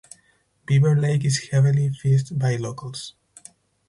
Beaver Lake is heavily fished by locals.